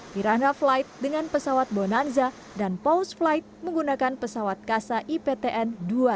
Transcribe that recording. hirana flight dengan pesawat bonanza dan pulse flight menggunakan pesawat kasa iptn dua ratus tiga puluh lima